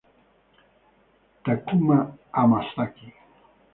Takuma Hamasaki